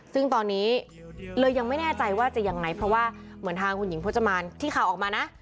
ซึ่งตอนนี้เลยยังไม่แน่ใจว่าจะยังไงเพราะว่าเหมือนทางคุณหญิงพจมานที่ข่าวออกมานะ